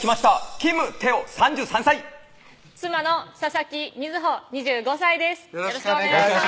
金太鎬３３歳妻の佐々木瑞穂２５歳です